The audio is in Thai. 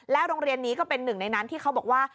โรงเรียนนี้ก็เป็นหนึ่งในนั้นที่เขาบอกว่า